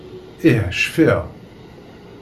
Ih, cfiɣ.